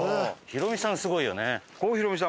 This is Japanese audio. ひろみさんすごいよね。